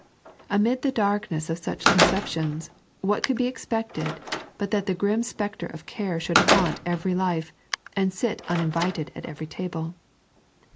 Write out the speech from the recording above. Amid the darkneea of such conceptions, what could be expected but that the grim spectre of care should haunt every life, and sit uninvited at every table.